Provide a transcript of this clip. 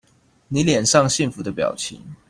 妳臉上幸福的表情